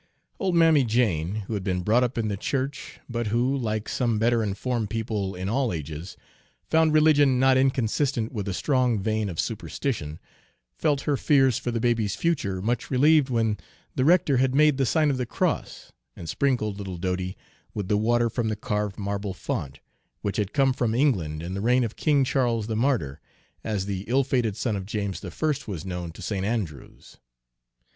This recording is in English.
Old Mammy Jane, who had been brought up in the church, but who, like some better informed people in all ages, found religion not inconsistent with a strong vein of superstition, felt her fears for the baby's future much relieved when the rector had made the sign of the cross and sprinkled little Dodie with the water from the carved marble font, which had come from England in the reign of King Charles the Martyr, as the ill fated son of James I. was known to St. Andrew's.